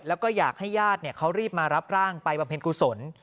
แล้วก็อยากให้ญาติเขารีบมารับร่างไปบำเพ็ญกุศล